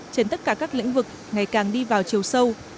trên tất cả các lĩnh vực ngày càng đi vào chiều sâu